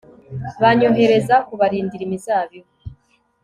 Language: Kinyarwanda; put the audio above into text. banyohereza kubarindira imizabibu